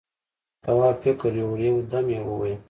تواب فکر يووړ، يو دم يې وويل: